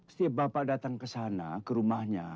setiap bapak datang ke sana ke rumahnya